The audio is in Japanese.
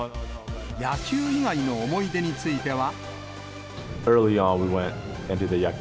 野球以外の思い出については。